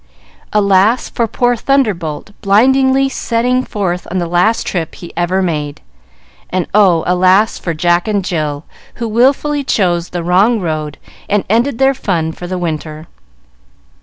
Alas, for poor "Thunderbolt" blindly setting forth on the last trip he ever made! And oh, alas, for Jack and Jill, who wilfully chose the wrong road and ended their fun for the winter!